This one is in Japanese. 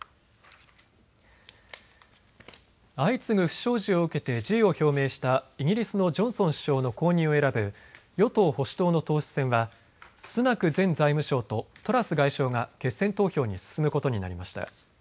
相次ぐ不祥事を受けて辞意を表明したイギリスのジョンソン首相の後任を選ぶ与党保守党の党首選はスナク前財務相とトラス外相が決選投票に進むことになりました。